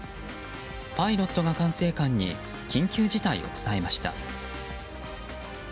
パイロットが管制官に緊急事態を伝えました。